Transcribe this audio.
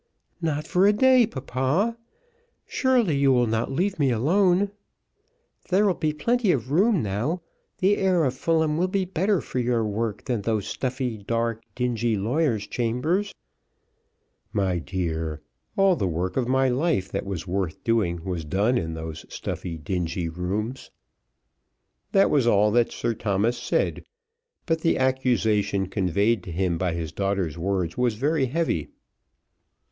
"Not for a day, papa! Surely you will not leave me alone? There will be plenty of room now. The air of Fulham will be better for your work than those stuffy, dark, dingy lawyers' chambers." "My dear, all the work of my life that was worth doing was done in those stuffy, dingy rooms." That was all that Sir Thomas said, but the accusation conveyed to him by his daughter's words was very heavy.